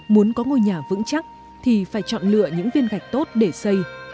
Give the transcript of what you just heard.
muốn có ngôi nhà vững chắc thì phải chọn lựa những viên gạch tốt để xây